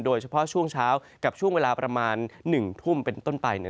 โดยเฉพาะช่วงเช้ากับช่วงเวลาประมาณ๑ทุ่มเป็นต้นไป